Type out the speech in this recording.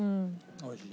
美味しい。